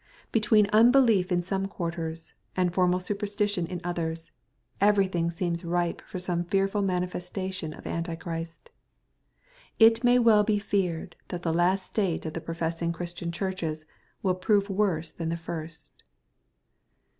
Between unbelief in some quarters, and formal supersti tion in others, everything seems ripe for some fearful manifestation of anti christ. It may well be feared that the last state of the professing Christian chuiches will prove worse than the first.